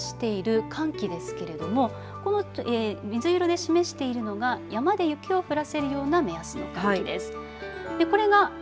この雪をもたらしている寒気ですけれども水色で示しているのが山で雪を降らせるような目安の空気です。